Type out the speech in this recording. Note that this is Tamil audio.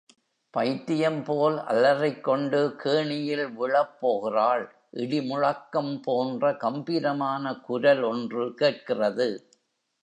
பைத்தியம் போல் அலறிக்கொண்டு கேணியில் விழப்போகிறாள் இடி முழக் கம் போன்ற கம்பீரமான குரல் ஒன்று கேட்கிறது.